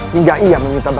hingga ia meminta berdoa